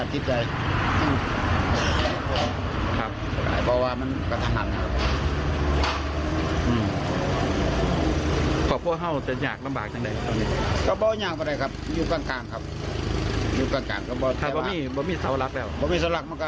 แต่ก็ต้องอยู่ให้ได้